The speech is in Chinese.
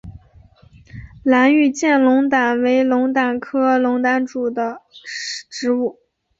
蓝玉簪龙胆为龙胆科龙胆属的植物。